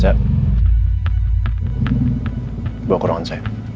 saya bawa ke ruangan saya